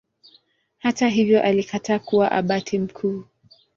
Hata hivyo alikataa kuwa Abati mkuu.